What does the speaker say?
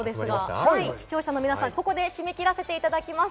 視聴者の皆さん、ここで締め切らせていただきます。